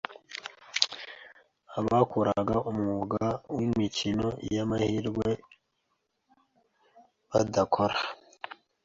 abakoraga umwuga w’imikino y’amahirwe badakora